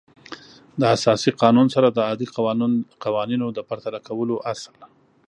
د اساسي قانون سره د عادي قوانینو د پرتله کولو اصل